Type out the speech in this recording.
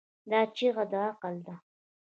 دا چیغه د عقل ده.